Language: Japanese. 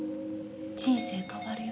人生変わるよ。